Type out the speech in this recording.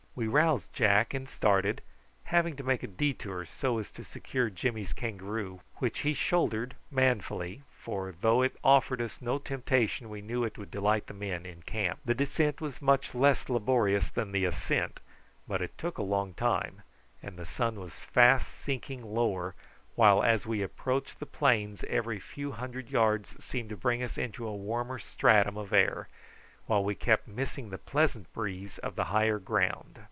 We roused Jack and started, having to make a detour so as to secure Jimmy's kangaroo, which he shouldered manfully, for though it offered us no temptation we knew that it would delight the men in camp. The descent was much less laborious than the ascent, but it took a long time, and the sun was fast sinking lower, while as we approached the plains every few hundred yards seemed to bring us into a warmer stratum of air, while we kept missing the pleasant breeze of the higher ground.